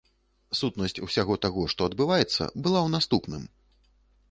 Сутнасць усяго таго, што адбываецца была ў наступным.